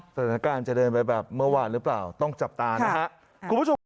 สถานการณ์จะเดินไปแบบเมื่อวานหรือเปล่าต้องจับตานะฮะคุณผู้ชมครับ